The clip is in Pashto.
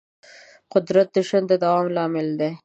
قدرت د ژوند د دوام لامل دی.